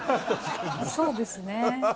そうですね。